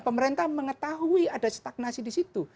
pemerintah mengetahui ada stagnasi di situ